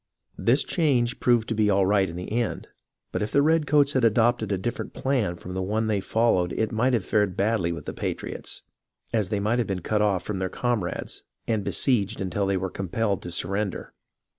This change proved to be all right in the end, but if the redcoats had adopted a different plan from the one they followed it might have fared badly with the patriots, as they might have been cut off from their com rades, and besieged until they were compelled to sur render.